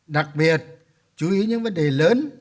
đặc biệt chú ý những vấn đề lớn